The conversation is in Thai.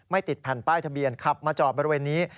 ติดแผ่นป้ายทะเบียนขับมาจอดบริเวณนี้